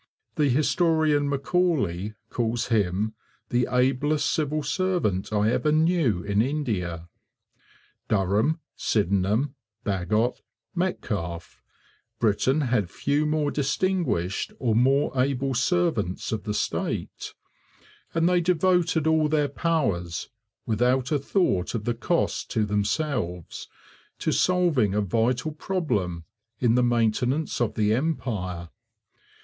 The historian Macaulay calls him 'the ablest civil servant I ever knew in India.' Durham, Sydenham, Bagot, Metcalfe Britain had few more distinguished or more able servants of the state; and they devoted all their powers, without a thought of the cost to themselves, to solving a vital problem in the maintenance of the Empire.